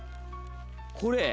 これ。